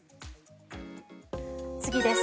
次です。